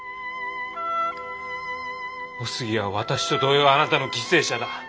お杉は私と同様あなたの犠牲者だ。